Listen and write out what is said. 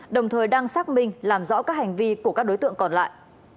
đồng thời đang xác minh làm rõ các hành vi của các đối tượng còn lại